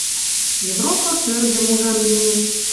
Европа кӧргӹм ужам мӹньӹ